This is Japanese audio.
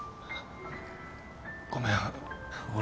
ごめん俺。